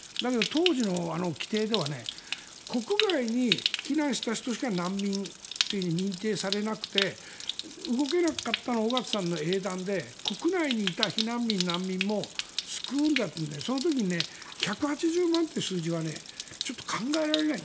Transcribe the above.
当時の規定では国外に避難した人しか、難民と認定されなくて動けなかったのは緒方さんの英断で国内にいた避難民、難民も救うんだということでその時に１８０万という数字はちょっと考えられない。